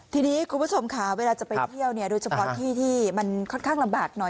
ทีนี้คุณผู้ชมค่ะเวลาจะไปเที่ยวเนี่ยโดยเฉพาะที่ที่มันค่อนข้างลำบากหน่อย